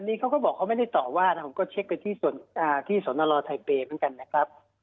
นี่เขาก็บอกเขาไม่ได้ต่อว่านะผมก็เช็คไปที่สนรไทเปย์เหมือนกันนะครับ